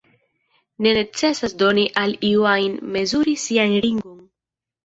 Ne necesas doni al iu ajn mezuri sian ringon.